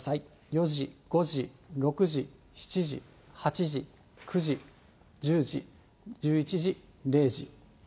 ４時、５時、６時、７時、８時、９時、１０時、１１時、０時。